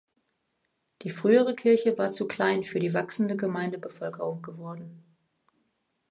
Die frühere Kirche war zu klein für die wachsende Gemeindebevölkerung geworden.